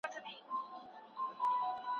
د وژل سوي کورنۍ به قاتل ته بخښنه وکړي.